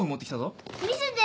見せて。